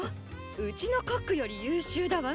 うちのコックより優秀だわ。